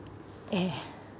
ええ。